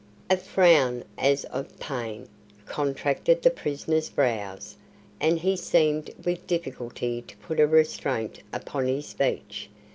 A frown, as of pain, contracted the prisoner's brows, and he seemed with difficulty to put a restraint upon his speech.